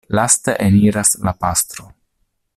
Laste eniras la pastro.